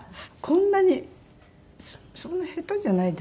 こんなにそんな下手じゃないですね。